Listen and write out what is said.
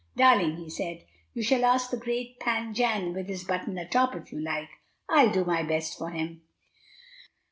"Darling," he said, "you shall ask the great Pan Jan with his button atop, if you like. I'll do my best for him."